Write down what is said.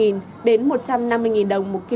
thịt sấn mông có giá một trăm bốn mươi đồng một kg